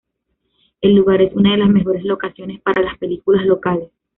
El lugar es una de las mejores locaciones para las películas locales.